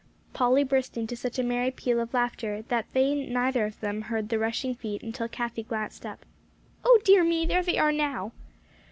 Polly burst into such a merry peal of laughter, that they neither of them heard the rushing feet, until Cathie glanced up. "Oh dear me! there they are now!"